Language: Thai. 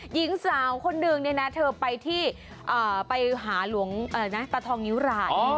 หญิงสาวคนนึงเนี่ยนะเธอไปที่ไปหาหลวงตาทองนิ้วราย